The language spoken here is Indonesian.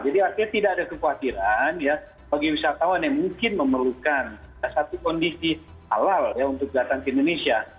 jadi artinya tidak ada kekhawatiran ya bagi wisatawan yang mungkin memerlukan satu kondisi halal ya untuk datang ke indonesia